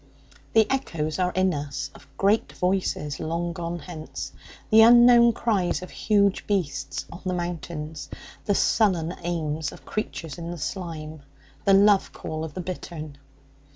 The echoes are in us of great voices long gone hence, the unknown cries of huge beasts on the mountains; the sullen aims of creatures in the slime; the love call of the bittern.